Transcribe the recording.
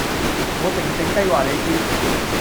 我靜靜雞話你知